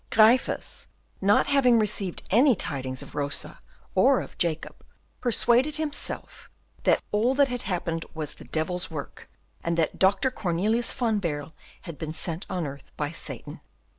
Gryphus, not having received any tidings of Rosa or of Jacob, persuaded himself that all that had happened was the devil's work, and that Dr. Cornelius van Baerle had been sent on earth by Satan.